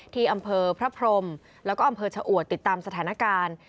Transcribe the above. ที่อำเภอพระพรมแล้วก็อำเภอชะอวดติดตามสถานการณ์